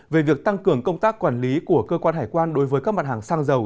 về việc tăng cường công tác quản lý của cơ quan hải quan đối với các mặt hàng xăng dầu